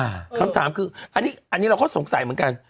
คำถามคืออันนี้อันนี้เราก็สงสัยเหมือนกัน